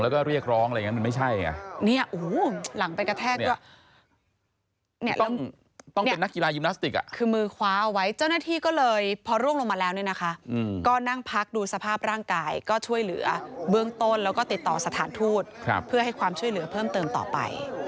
แล้วก็เรียกร้องอะไรอย่างนั้นมันไม่ใช่